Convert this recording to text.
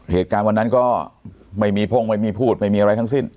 เหตุการณ์วันนั้นก็ไม่มีพ่งไม่มีพูดไม่มีอะไรทั้งสิ้น